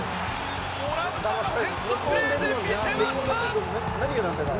オランダがセットプレーで見せました！